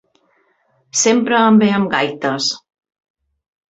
Sempre em ve amb gaites.